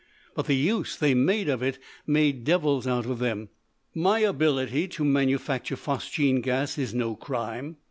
But the use they made of it made devils out of them. My ability to manufacture phosgene gas is no crime.